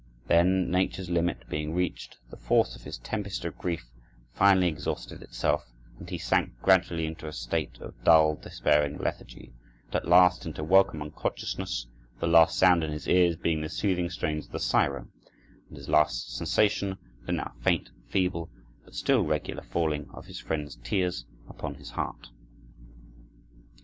Then, nature's limit being reached, the force of his tempest of grief finally exhausted itself, and he sank gradually into a state of dull, despairing lethargy, and at last into welcome unconsciousness, the last sound in his ears being the soothing strains of the siren, and his last sensation the now faint and feeble, but still regular falling of his friends' tears upon his heart.